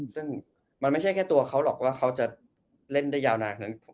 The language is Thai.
ซึ่งมันไม่ใช่แค่ตัวเขาหรอกว่าเขาจะเล่นได้ยาวนาน